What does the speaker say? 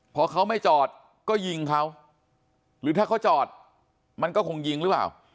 พอเขาไม่จอดก็ยิงเขาหรือถ้าเขาจอดมันก็คงยิงหรือเปล่า